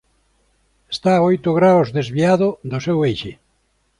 Está oito graos desviado do seu eixe.